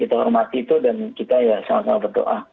kita hormati itu dan kita ya sangat sangat berdoa